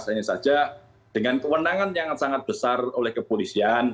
hanya saja dengan kewenangan yang sangat besar oleh kepolisian